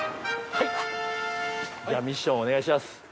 じゃあミッションお願いします。